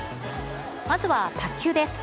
まずは卓球です。